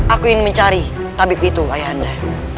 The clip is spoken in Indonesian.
aku ingin mencari tabib itu ayanda